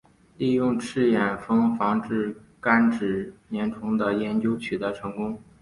利用赤眼蜂防治甘蔗螟虫的研究取得成功。